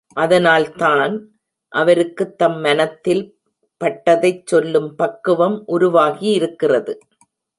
அதனால்தான், அவருக்குத் தம் மனத்தில் பட்டதைச் சொல்லும் பக்குவம் உருவாகியிருக்கிறது.